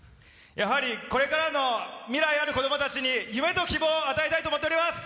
やはり、これからの未来ある子供たちに夢と希望を与えたいと思います！